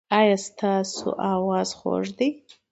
ایا ستاسو اواز خوږ دی؟